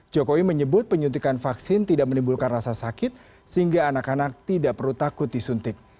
jokowi menyebut penyuntikan vaksin tidak menimbulkan rasa sakit sehingga anak anak tidak perlu takut disuntik